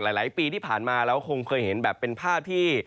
หลายปีที่ผ่านมาเราคงเคยเห็นแบบเป็นภาพที่